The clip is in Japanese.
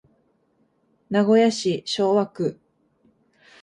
名古屋市昭和区